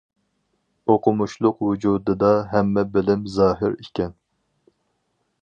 ئوقۇمۇشلۇق ۋۇجۇدىدا، ھەممە بىلىم زاھىر ئىكەن.